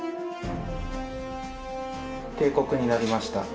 定刻になりました。